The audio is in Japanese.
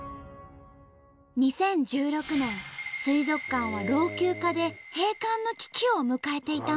２０１６年水族館は老朽化で閉館の危機を迎えていたんだって。